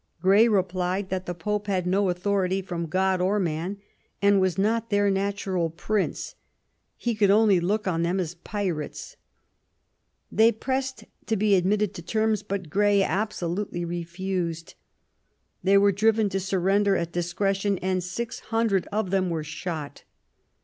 Grey replied that the Pope had no authority from God or man, and was not their natural prince ; THE ALBNQON MARRIAGE. igi he could only loolc on them as pirates. They pressed to be admitted to terms, but Grey absolutely refused. They were driven to surrender at discretion, and six hundred of them were shot.